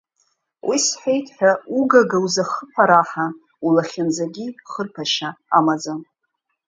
Уи сҳәеит ҳәа угага узахыԥараҳа улахьынҵагьы хырԥашьа амаӡам.